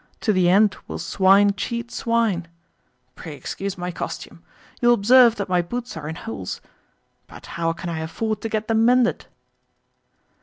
To the end will swine cheat swine. Pray excuse my costume. You will observe that my boots are in holes. But how can I afford to get them mended?"